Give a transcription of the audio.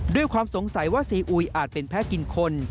ด้วยความสงสัยว่าซีอุยอาจเป็นแพ้กินคน